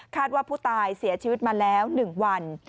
ว่าผู้ตายเสียชีวิตมาแล้ว๑วัน